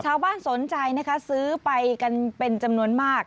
ชาวบ้านสนใจนะคะซื้อไปกันเป็นจำนวนมาก